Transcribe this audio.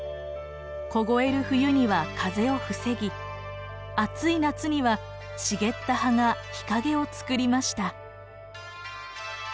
凍える冬には風を防ぎ暑い夏には茂った葉が日陰をつくりました。